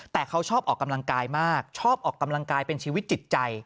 แต่เขาชอบออกกำลังกายมากชอบออกกำลังกายเป็นชีวิตจิตใจ